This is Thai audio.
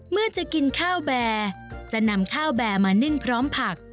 เมื่อจะกินข้าวแบร์จะนำข้าวแบร์มานึ่งพร้อมผัก